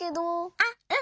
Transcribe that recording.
あっうん。